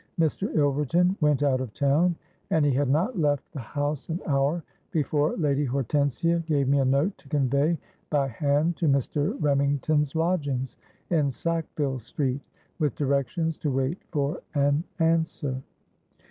Mr. Ilverton went out of town; and he had not left the house an hour, before Lady Hortensia gave me a note to convey by hand to Mr. Remington's lodgings in Sackville Street, with directions to wait for an answer.